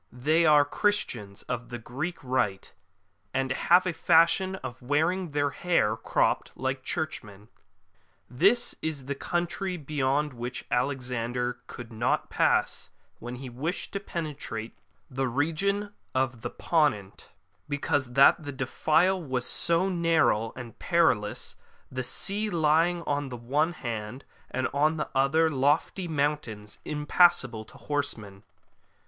They are Christians of the Greek Rite, and have a fashion of wearing their hair cropped, like Churchmen.'' This is the country beyond which Alexander could not pass when he wished to penetrate to the region of the Ponent, because that the defile was so narrow and perilous, the sea lying on the one hand, and on the other lofty mountains impassable to horsemen.